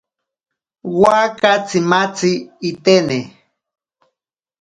Waaka tsimatzi itene.